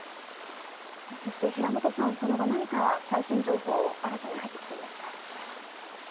そして、平本さん、その後、何か最新情報、新たに入ってきていますか？